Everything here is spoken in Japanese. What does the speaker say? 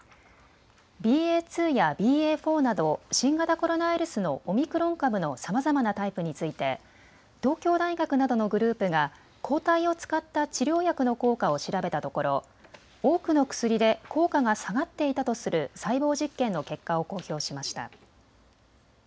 ＢＡ．２やＢＡ．４など新型コロナウイルスのオミクロン株のさまざまなタイプについて東京大学などのグループが抗体を使った治療薬の効果を調べたところ、多くの薬で効果が下がっていたとする細胞実験の結果を公表しました。